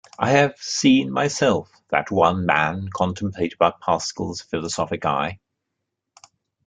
I have seen myself that one man contemplated by Pascal's philosophic eye.